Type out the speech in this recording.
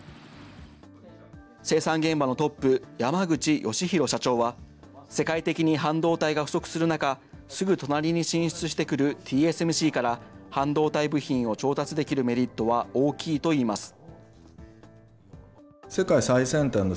生産現場のトップ、山口宜洋社長は、世界的に半導体が不足する中、すぐ隣に進出してくるＴＳＭＣから半導体部品を調達できるメリットは大きいといいます。